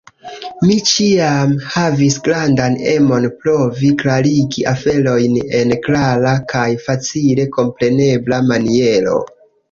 Mi ĉiam havis grandan emon provi klarigi aferojn en klara kaj facile komprenebla maniero.